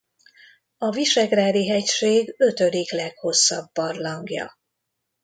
A Visegrádi-hegység ötödik leghosszabb barlangja.